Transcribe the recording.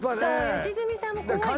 良純さんも怖い。